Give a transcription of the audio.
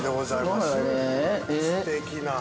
すてきな。